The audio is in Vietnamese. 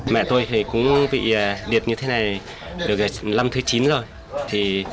mẹ tôi cũng bị điệt như thế này được năm thứ chín rồi